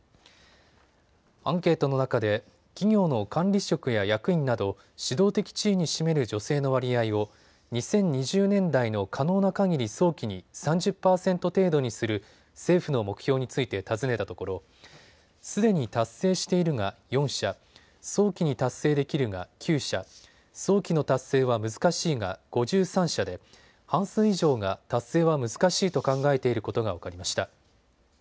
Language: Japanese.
アンケートの中で企業の管理職や役員など、指導的地位に占める女性の割合を２０２０年代の可能なかぎり早期に３０％程度にする政府の目標について尋ねたところすでに達成しているが４社、早期に達成できるが９社、早期の達成は難しいが５３社で半数以上が達成は難しいと考えていることが分かりました。